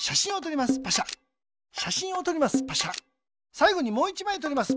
さいごにもう１まいとります。